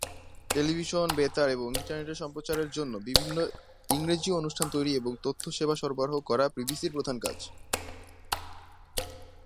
Television, বেতার এবং ইন্টারনেটে সম্প্রচারের জন্য বিভিন্ন ইংরেজি অনুষ্ঠান তৈরি এবং তথ্য সেবা সরবরাহ করা বিবিসির প্রধান কাজ।